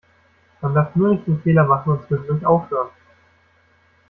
Man darf nur nicht den Fehler machen und zwischendurch aufhören.